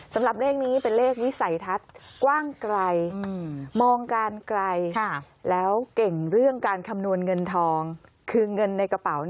สำหรับเลขนี้เป็นเลขวิสัยทัศน์กว้างไกลมองการไกล